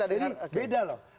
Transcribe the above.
jadi beda loh